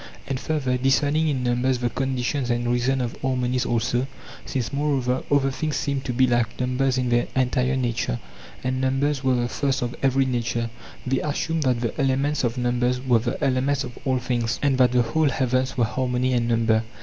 +And further, discerning in numbers the conditions and reasons of harmonies alsot; since, moreover, other things seemed to be like numbers in their entire nature, and numbers were the first of every nature, they assumed that the elements of numbers were the elements of all things, and that the whole heavens were harmony and number.